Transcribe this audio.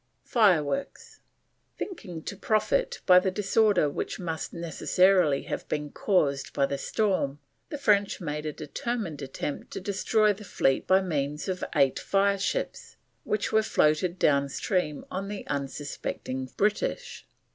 FIREWORKS. Thinking to profit by the disorder which must necessarily have been caused by the storm, the French made a determined attempt to destroy the fleet by means of eight fireships which were floated down stream on the unsuspecting British.